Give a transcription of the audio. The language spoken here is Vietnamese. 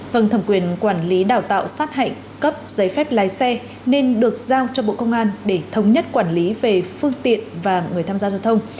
vâng thẩm quyền quản lý đào tạo sát hạch cấp giấy phép lái xe nên được giao cho bộ công an để thống nhất quản lý về phương tiện và người tham gia giao thông